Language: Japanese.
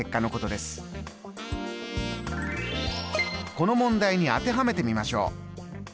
この問題に当てはめてみましょう。